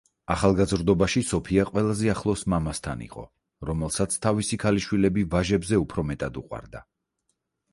ახალგაზრდობაში სოფია ყველაზე ახლოს მამასთან იყო, რომელსაც თავისი ქალიშვილები ვაჟებზე უფრო მეტად უყვარდა.